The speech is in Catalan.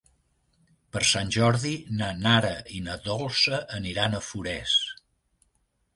Per Sant Jordi na Nara i na Dolça aniran a Forès.